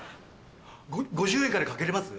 ５０円から賭けれます？